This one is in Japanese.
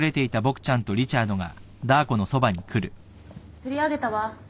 釣り上げたわ。